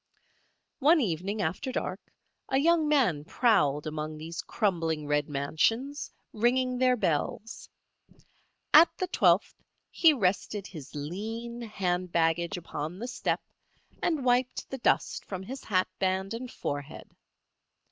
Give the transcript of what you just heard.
One evening after dark a young man prowled among these crumbling red mansions, ringing their bells. At the twelfth he rested his lean hand baggage upon the step and wiped the dust from his hatband and forehead.